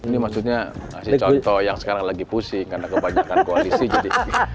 ini maksudnya ngasih contoh yang sekarang lagi pusing karena kebanyakan koalisi jadi